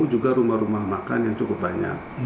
juga rumah rumah makan yang cukup banyak